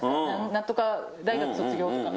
何とか大学卒業とか。